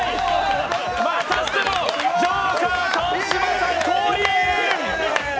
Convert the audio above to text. またしてもジョーカー川島さん降臨！！